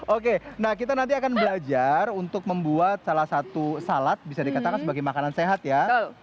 oke nah kita nanti akan belajar untuk membuat salah satu salad bisa dikatakan sebagai makanan sehat ya